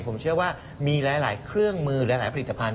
ผมเชื่อว่ามีหลายเครื่องมือหลายผลิตภัณ